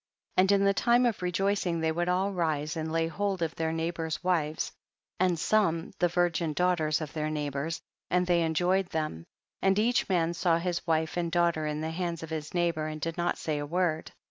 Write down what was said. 14. And in tlie lime of rejoicing they would all rise and lay hold of their neighbors' wives, and some, the virffin daughters of their neigh bors, and they enjoyed them, and each man saw his wife and daugh ter in the hands of his neighbor and did not say a word.